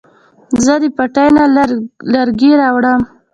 زه د پټي نه لرګي راوړم